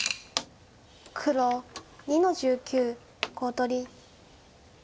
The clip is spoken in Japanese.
黒２の十九コウ取り。